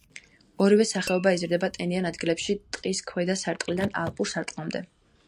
ორივე სახეობა იზრდება ტენიან ადგილებში, ტყის ქვედა სარტყლიდან ალპურ სარტყლამდე.